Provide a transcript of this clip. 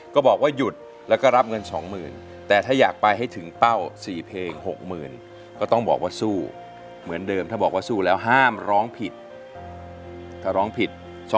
ก็บอกว่าหยุดแล้วก็รับเงินสองหมื่นแต่ถ้าอยากไปให้ถึงเป้าสี่เพลงหกหมื่นก็ต้องบอกว่าสู้เหมือนเดิมถ้าบอกว่าสู้แล้วห้ามร้องผิด